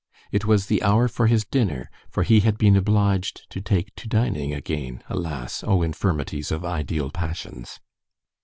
It was the hour for his dinner; for he had been obliged to take to dining again, alas! oh, infirmities of ideal passions!